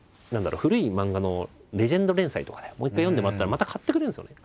古い漫画のレジェンド連載とかでもう一回読んでもらったらまた買ってくれるんですよね。